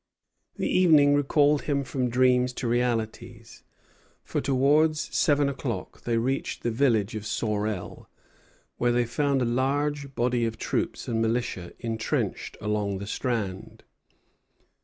The evening recalled him from dreams to realities; for towards seven o'clock they reached the village of Sorel, where they found a large body of troops and militia intrenched along the strand.